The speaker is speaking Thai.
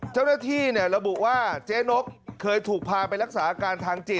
เจ้าหน้าที่ระบุว่าเจ๊นกเคยถูกพาไปรักษาอาการทางจิต